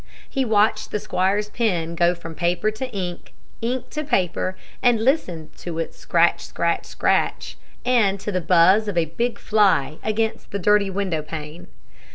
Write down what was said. He watched the squire's pen go from paper to ink, ink to paper, and listened to its scratch, scratch, and to the buzz of a big fly against the dirty window pane.